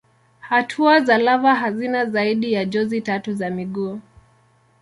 Hatua za lava hazina zaidi ya jozi tatu za miguu.